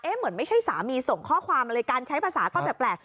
เหมือนไม่ใช่สามีส่งข้อความอะไรการใช้ภาษาก็แปลก